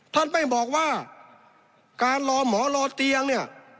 ท่านไปบอกว่าการรอหมอรอเตียงเนี่ย